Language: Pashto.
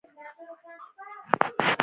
بشپړو هڅو له ځانګړې ده.